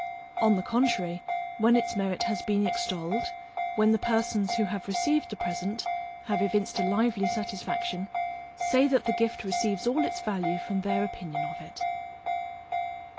On the contrary, when its merit has been extolled, when the persons who have received the present, have evinced a lively satisfaction, say that the gift receives all its value from their opinion of it.